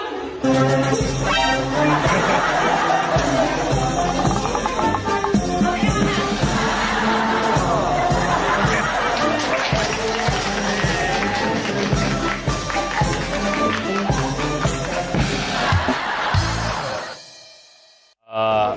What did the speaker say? ตรงหน้าตรงนั้น